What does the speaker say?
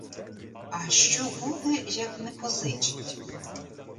А що буде, як не позичить?!